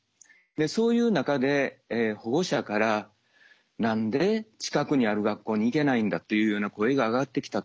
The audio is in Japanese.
そういう中で保護者から「何で近くにある学校に行けないんだ」というような声が上がってきたと。